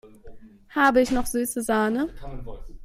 Habe ich noch süße Sahne?